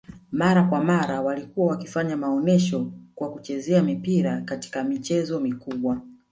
mara kwa mara walikua walikua wakifanya maonyesho kwa kuchezea mipira katika michezo mikubwa